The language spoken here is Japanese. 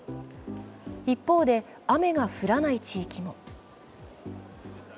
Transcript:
一方で、雨が降らない地域も。